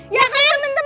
ya kan temen temen